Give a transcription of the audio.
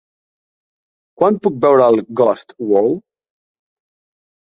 Quan puc veure Ghost World